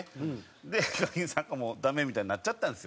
でＨＩＫＡＫＩＮさんがもうダメみたいになっちゃったんですよ。